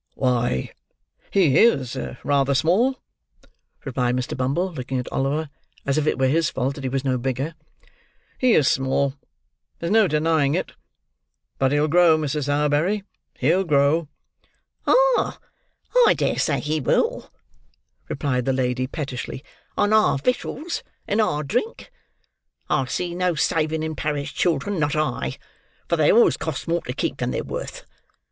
"Why, he is rather small," replied Mr. Bumble: looking at Oliver as if it were his fault that he was no bigger; "he is small. There's no denying it. But he'll grow, Mrs. Sowerberry—he'll grow." "Ah! I dare say he will," replied the lady pettishly, "on our victuals and our drink. I see no saving in parish children, not I; for they always cost more to keep, than they're worth.